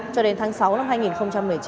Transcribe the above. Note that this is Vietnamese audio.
cho đến tháng sáu năm hai nghìn một mươi chín